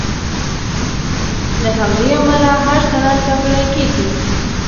له همدې امله هر سند ځانګړی کېږي.